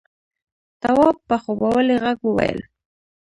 تواب په خوبولي غږ وويل: